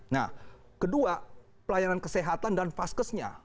nah kedua pelayanan kesehatan dan vaskesnya